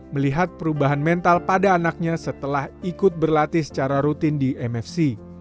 melihat perubahan mental pada anaknya setelah ikut berlatih secara rutin di mfc